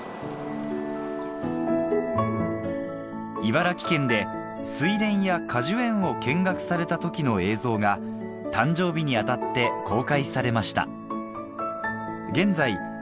茨城県で水田や果樹園を見学された時の映像が誕生日にあたって公開されました